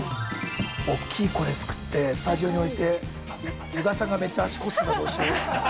◆大きいこれ作ってスタジオに置いて宇賀さんがめっちゃ足こすってたらどうしよう。